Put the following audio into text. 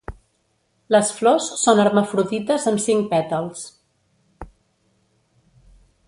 Les flors són hermafrodites amb cinc pètals.